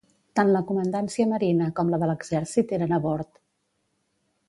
Tant la comandància marina com la de l'exèrcit eren a bord.